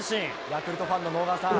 ヤクルトファンの直川さん。